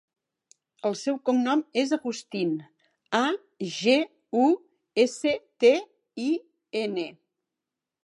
El seu cognom és Agustin: a, ge, u, essa, te, i, ena.